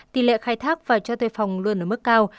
tỷ lệ khai thác và cho thuê phòng luôn ở mức cao